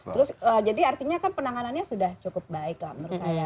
terus jadi artinya kan penanganannya sudah cukup baik lah menurut saya